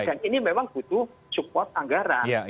dan ini memang butuh support anggaran